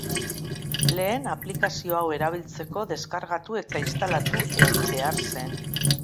Lehen, aplikazio hau erabiltzeko deskargatu eta instalatu egin behar zen.